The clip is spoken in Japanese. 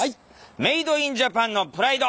「メイドインジャパンのプライド！！」。